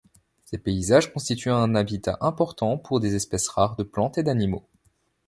Ces paysages constituent un habitat important pour des espèces rares de plantes et d'animaux.